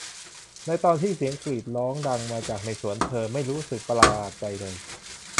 ในตอนที่เสียงกรีดร้องดังมาจากในสวนเธอไม่รู้สึกประหลาดใจเลย